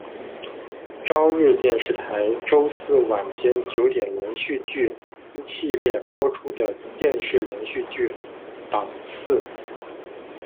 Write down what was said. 朝日电视台周四晚间九点连续剧系列播出的电视连续剧档次。